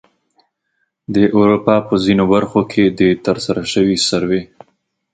د اروپا په ځینو برخو کې د ترسره شوې سروې